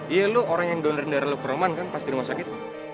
iya lo orang yang donor darah lo ke roman kan pas di rumah sakit